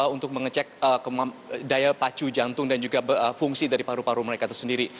untuk mengecek daya pacu jantung dan juga fungsi dari paru paru mereka itu sendiri